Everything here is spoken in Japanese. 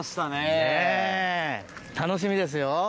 楽しみですよ。